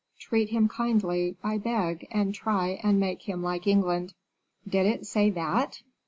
Treat him kindly, I beg, and try and make him like England.'" "Did it say that!"